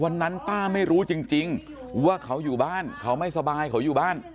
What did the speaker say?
วันนั้นป้าไม่รู้จริงว่าเขาอยู่บ้านเขาไม่สบายเขาอยู่บ้าน